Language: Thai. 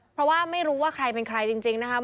เพราะว่าไม่รู้ว่าใครเป็นใครจริงนะครับ